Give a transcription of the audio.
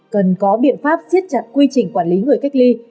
cần có biện pháp siết chặt quy trình quản lý người cách ly